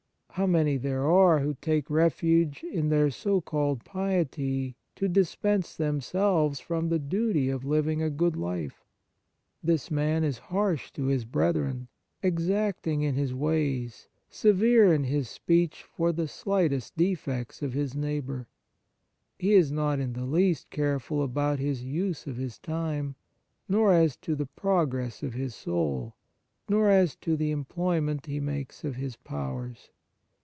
How many there are who take refuge in their so called piety to dispense themselves from the duty of living a good life ! This man is harsh to his brethren, exacting in his ways, severe in his speech for the slightest defects of his neighbour ; he is not in the least careful about his use of his time, nor as to the progress of his soul, nor as to the employment he makes of his powers.